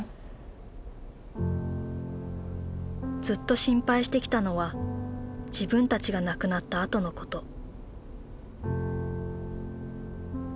ずっと心配してきたのは自分たちが亡くなったあとのこと。